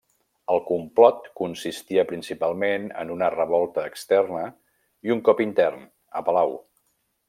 El complot consistia principalment en una revolta externa i un cop intern, a palau.